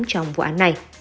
trong vụ án này